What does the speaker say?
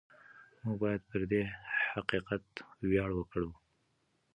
موږ باید پر دې حقیقت ویاړ وکړو.